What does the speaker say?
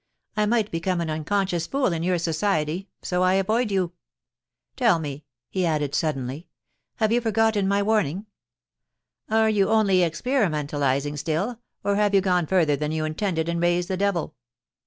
* I might become an unconscious fool in your society, so I avoid you. Tell me,' he added suddenly, * have you forgotten my warn ing? Are you only experimentalising still, or have you gone further than you intended and raised the devil?